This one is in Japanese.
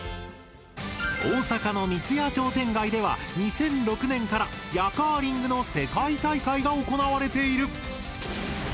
大阪の三津屋商店街では２００６年からヤカーリングの世界大会が行われている。